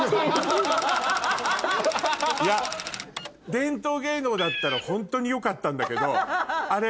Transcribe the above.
いや伝統芸能だったらホントによかったんだけど。